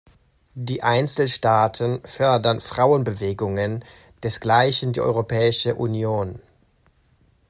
Die Einzelstaaten fördern Frauenbewegungen, desgleichen die Europäische Union.